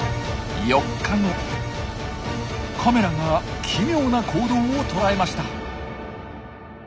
カメラが奇妙な行動を捉えました。